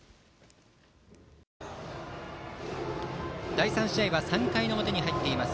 第３試合は３回の表に入っています。